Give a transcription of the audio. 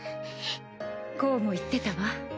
こうも言ってたわ。